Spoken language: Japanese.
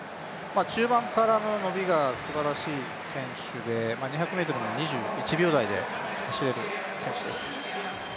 中盤からの伸びがすばらしい選手で２００ｍも２１秒台で走れる選手です。